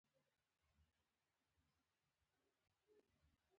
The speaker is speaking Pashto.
پولینډ د لرغونو ښارونو او تاریخي ودانیو کوربه دی.